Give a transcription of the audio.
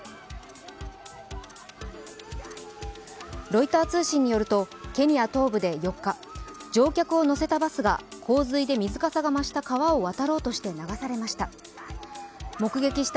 ロイター通信によると、ケニア東部で４日、乗客を乗せたバスが洪水で水かさが増した川を渡ろうとして流されました。